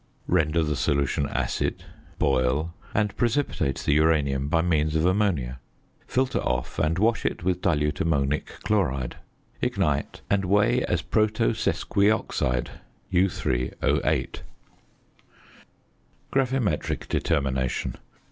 Render the solution acid, boil; and precipitate the uranium by means of ammonia. Filter off, and wash it with dilute ammonic chloride. Ignite, and weigh as protosesqui oxide, U_O_. GRAVIMETRIC DETERMINATION.